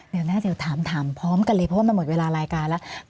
เดี๋ยวนะเดี๋ยวถามพร้อมกันเลยเพราะว่ามันหมดเวลารายการแล้ว